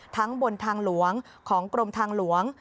บนทางหลวงของกรมทางหลวง